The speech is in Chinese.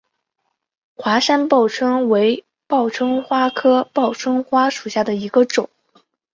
华山报春为报春花科报春花属下的一个种。